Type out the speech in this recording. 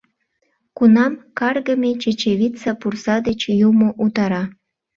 — Кунам каргыме чечевица пурса деч юмо утара!